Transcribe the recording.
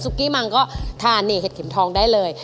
กี้มังก็ทานนี่เห็ดเข็มทองได้เลย